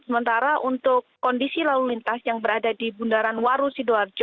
sementara untuk kondisi lalu lintas yang berada di bundaran waru sidoarjo